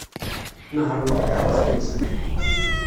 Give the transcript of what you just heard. Nehhṛen takeṛṛust-nsen.